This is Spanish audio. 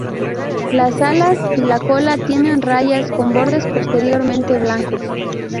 Las alas y la cola tienen rayas con bordes posteriores blancos.